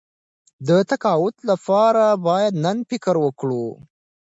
د تقاعد لپاره باید نن فکر وکړو.